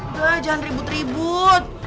udah jangan ribut ribut